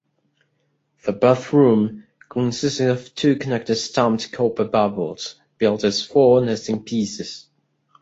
The bathroom consisted of two connected stamped copper bubbles, built as four nesting pieces.